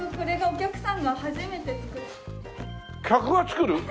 客が作る？